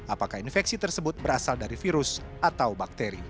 apakah infeksi tersebut berasal dari virus atau bakteri